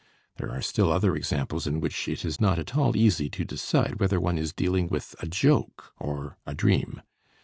There are still other examples in which it is not at all easy to decide whether one is dealing with a joke or a dream.